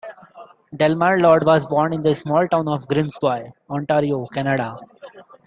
Delmer Lord was born in the small town of Grimsby, Ontario, Canada.